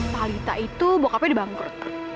talita itu bokapnya dibangkrut